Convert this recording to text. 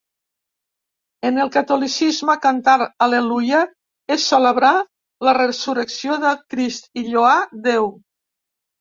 En el catolicisme cantar al·leluia és celebrar la resurrecció de Crist i lloar Déu.